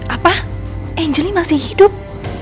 apa angel masih hidup